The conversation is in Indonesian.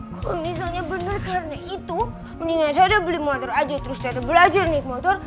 kalo misalnya bener karena itu mendingan tata beli motor aja terus tata belajar naik motor